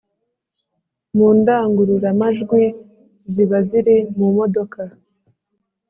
mu ndangururamajwi ziba ziri mu modoka